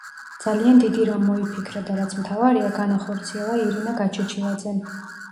ძალიან დიდი რამ მოიფიქრა და რაც მთავარია, განახორციელა ირინა გაჩეჩილაძემ.